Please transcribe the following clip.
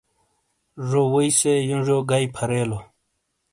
زو ووئی سے یونجیو گئیی پھریلو۔